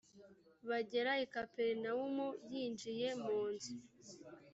bagera i kaperinawumu yinjiye mu nzu